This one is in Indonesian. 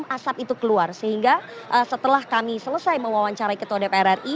asap itu keluar sehingga setelah kami selesai mewawancarai ketua dpr ri